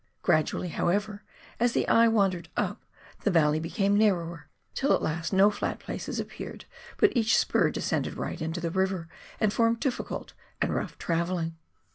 Gradually, however, as the eye wandered up, the valley became narrower, till at last no flat places appeared, but each spur descended right into the river, and formed difficult and rough travelling.